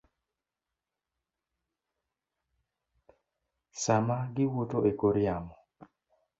sama giwuotho e kor yamo.